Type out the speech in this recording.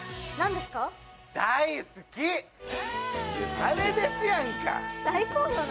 あれですやんか。